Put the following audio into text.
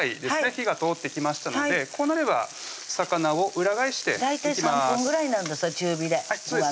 火が通ってきましたのでこうなれば魚を裏返していきます大体３分ぐらいなんです